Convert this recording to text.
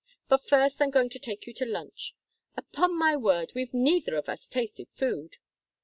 But first I'm going to take you to lunch. Upon my word, we've neither of us tasted food!